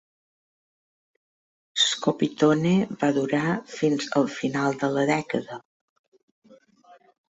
Scopitone va durar fins al final de la dècada.